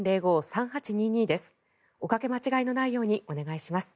おかけ間違いのないようにお願いします。